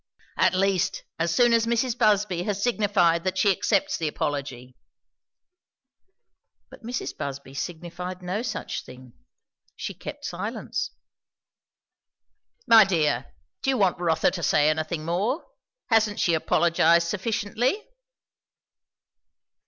At least, as soon as Mrs. Busby has signified that she accepts the apology." But Mrs. Busby signified no such thing. She kept silence. "My dear, do you want Rotha to say anything more? Hasn't she apologized sufficiently?"